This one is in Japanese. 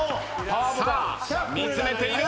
さあ見つめている。